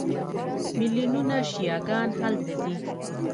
میلیونونه شیعه ګان هلته ځي.